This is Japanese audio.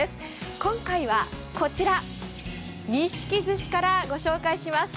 今回は、こちら錦寿司からご紹介します。